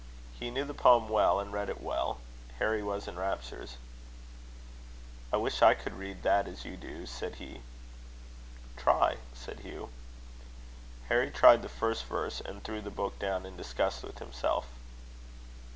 He knew the poem well, and read it well. Harry was in raptures. "I wish I could read that as you do," said he. "Try," said Hugh. Harry tried the first verse, and threw the book down in disgust with himself.